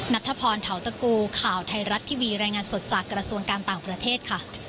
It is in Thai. นัทธพรเทาตะกูข่าวไทยรัฐทีวีรายงานสดจากกระทรวงการต่างประเทศค่ะ